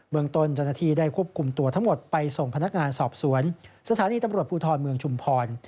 ตนเจ้าหน้าที่ได้ควบคุมตัวทั้งหมดไปส่งพนักงานสอบสวนสถานีตำรวจภูทรเมืองชุมพร